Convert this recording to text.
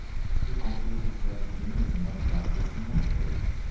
He concluded that The game is not bad, just not great.